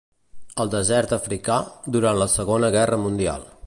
Al desert africà, durant la Segona Guerra Mundial.